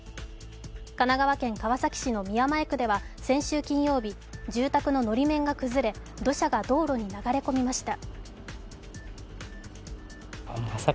神奈川県川崎市の宮前区では先週金曜日、住宅ののり面が崩れ土砂が道路に流れ込みました。